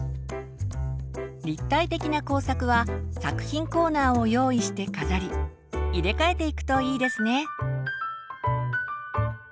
立体的な工作は作品コーナーを用意して飾り入れ替えていくといいですね。